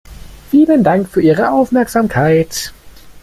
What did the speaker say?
Vielen Dank für Ihre Aufmerksamkeit!